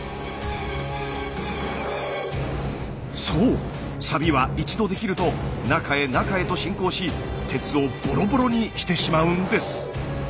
そうサビは一度できると中へ中へと進行し鉄をボロボロにしてしまうんです。